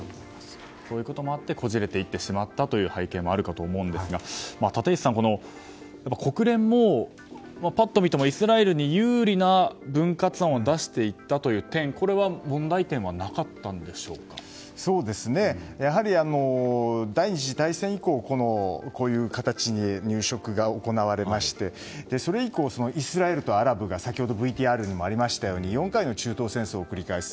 そういうこともあってこじれていってしまったという背景もあったと思うんですが立石さん、国連もパッと見てもイスラエルに有利な分割案を出していったという点これは問題点はやはり、第２次大戦以降こういう形に入植が行われましてそれ以降、イスラエルとアラブが先ほどＶＴＲにもありましたように４回の中東戦争を繰り返す。